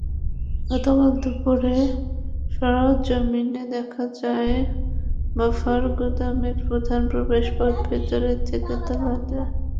গতকাল দুপুরে সরেজমিনে দেখা যায়, বাফার গুদামের প্রধান প্রবেশপথ ভেতর থেকে তালা দেওয়া।